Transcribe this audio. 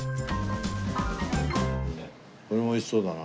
これも美味しそうだな。